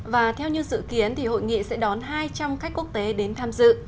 và theo như dự kiến thì hội nghị sẽ đón hai trăm linh khách quốc tế đến tham dự